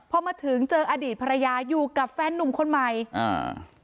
พอมาถึงเจออดีตภรรยาอยู่กับแฟนนุ่มคนใหม่อ่า